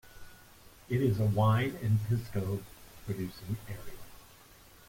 It is a wine and pisco producing area.